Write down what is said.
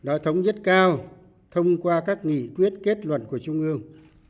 và đã giải trí những vấn đề nhất cao thông qua các nghị quyết kết luận của trung ương